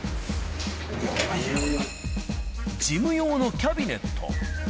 事務用のキャビネット。